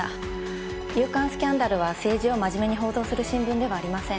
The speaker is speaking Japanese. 『夕刊スキャンダル』は政治を真面目に報道する新聞ではありません。